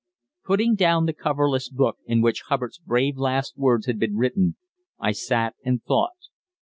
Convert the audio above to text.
Putting down the coverless book in which Hubbard's brave last words had been written, I sat and thought.